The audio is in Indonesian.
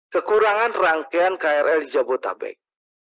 kekurangan rangkaian krl di jabodetabek